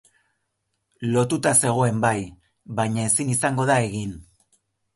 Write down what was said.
Lotuta zegoen, bai, baina ezin izango da egin.